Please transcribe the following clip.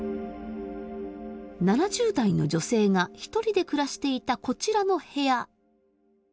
７０代の女性が一人で暮らしていたこちらの部屋。